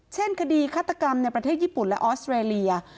เช่นคดีฆาตกรรมในประเทศญี่ปุ่นและออสเตรเลีย